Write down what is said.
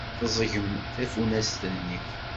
Teẓẓgem tafunast-nni.